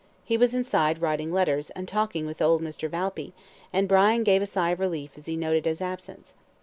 He was inside writing letters, and talking with old Mr. Valpy, and Brian gave a sigh of relief as he noted his absence.